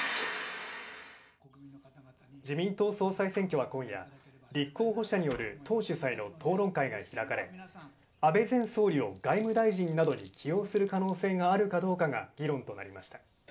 自民党総裁選挙は、今夜立候補者による党主催の討論会が開かれ安倍前総理を外務大臣などに起用する可能性があるかどうかが議論となりました。